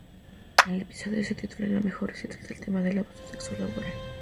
El episodio se titula "La mejor" y trata el tema del abuso sexual laboral.